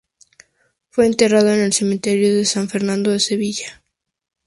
Fue enterrado en el Cementerio de San Fernando de Sevilla